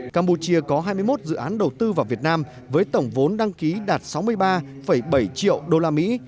campuchia có hai mươi một dự án đầu tư vào việt nam với tổng vốn đăng ký đạt sáu mươi ba bảy triệu đô la mỹ